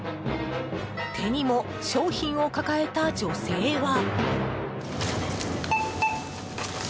手にも商品を抱えた女性は。